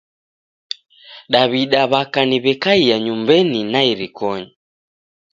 Daw'ida w'aka ni w'ekaiya nyumbenyi na irikonyi.